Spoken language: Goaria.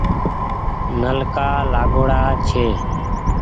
نلڪآ لآگوڙآ ڇي